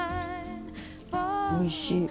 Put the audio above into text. おいしい。